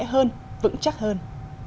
tốt hơn vững chắc hơn